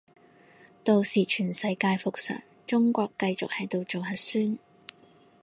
到時全世界復常，中國繼續喺度做核酸